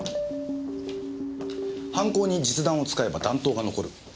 犯行に実弾を使えば弾頭が残る。